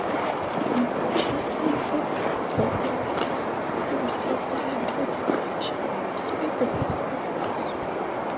Unfortunately for the Vuldarians, they were still sliding towards extinction, despite their best efforts.